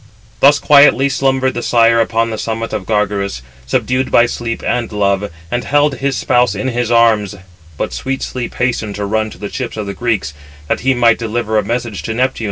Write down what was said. Thus quietly slumbered the sire upon the summit of Gargarus, subdued by sleep and love, and held his spouse in his arms. But sweet Sleep hastened to run to the ships of the Greeks, that he might deliver a message to Neptune, the shaker of the earth.